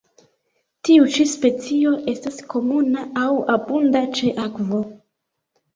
Tiu ĉi specio estas komuna aŭ abunda ĉe akvo.